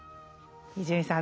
伊集院さん